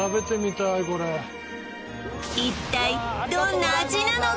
これ一体どんな味なのか？